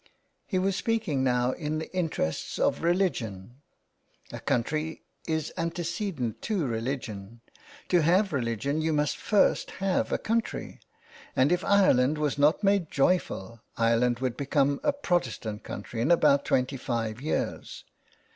He was speaking now in the interests of religion. A country is antecedent to religion. To have religion you must first have a country, and if Ireland was not made joyful Ireland would become a Protestant country in about twenty five years.